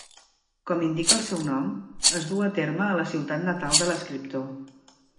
Com indica el seu nom, es duu a terme a la ciutat natal de l'escriptor.